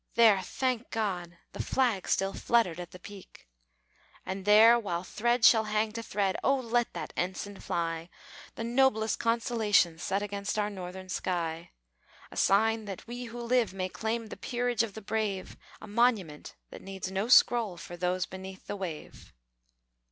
There, thank God! the flag Still fluttered at the peak! And there, while thread shall hang to thread, O let that ensign fly! The noblest constellation set Against our northern sky. A sign that we who live may claim The peerage of the brave; A monument, that needs no scroll, For those beneath the wave!